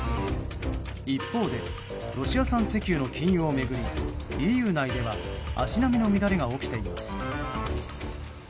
一方でロシア産石油の禁輸を巡りＥＵ内では足並みの乱れが起きています。